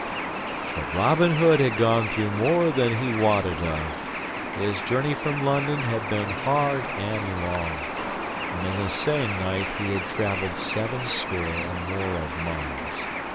But Robin Hood had gone through more than he wotted of. His journey from London had been hard and long, and in a se'ennight he had traveled sevenscore and more of miles.